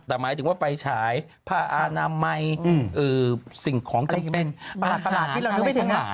แต่หมายถึงว่าไฟฉายผ้าอนามัยสิ่งของจำเป็นประหลาดที่เรานึกไปถึง